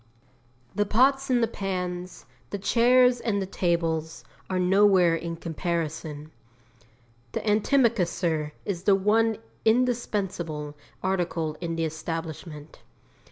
The pots and the pans, the chairs and the tables, are nowhere in comparison. The antimacassar is the one indispensable article in the establishment.